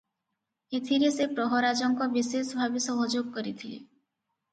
ଏଥିରେ ସେ ପ୍ରହରାଜଙ୍କ ବିଶେଷ ଭାବେ ସହଯୋଗ କରିଥିଲେ ।